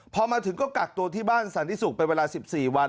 พอมาถึงก็กักตัวที่บ้านสรรที่สุขไปเวลา๑๔วัน